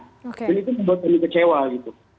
dan itu membuat kami kecewa